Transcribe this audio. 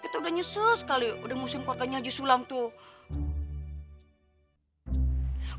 kita udah nyesel sekali udah musim keluarganya jus sulam tuh